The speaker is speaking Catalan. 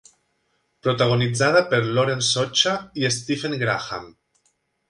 Protagonitzada per Lauren Socha i Stephen Graham.